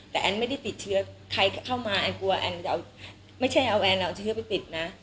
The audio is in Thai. แต่แอนไม่ได้ติดเชื้อใครก็เข้ามาแอนกลัวแอนจะเอาไม่ใช่เอาแอนเอาเชื้อไปปิดนะ